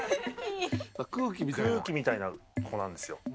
空気みたいな子なんですよ。